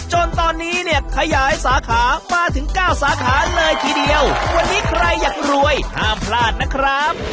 จนตอนนี้เนี่ยขยายสาขามาถึงเก้าสาขาเลยทีเดียววันนี้ใครอยากรวยห้ามพลาดนะครับ